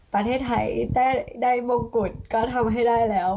ประเทศไทยได้มงกุฎก็ทำให้ได้แล้ว